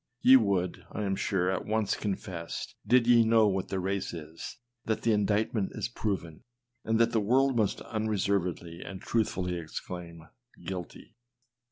Ye would, I am sure, at once confess, did ye know 'what the race is, that the indictment is proven, and that the world must unreservedly and truthfully exclaim, " guilty."